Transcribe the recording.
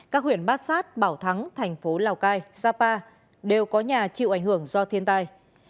các huyện bát sát bảo thắng thành phố lào cai sapa đều có nhà chịu ảnh hưởng do thiên tai